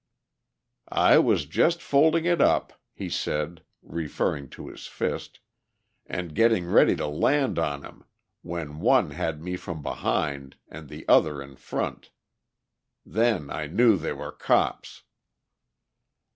"I was just folding it up," he said, referring to his fist, "and getting ready to land on him when one had me from behind and the other in front. Then I knew they were cops."